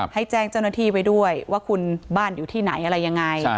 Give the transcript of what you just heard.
ให้แจ้งเจ้าหน้าที่ไว้ด้วยว่าคุณบ้านอยู่ที่ไหนอะไรยังไง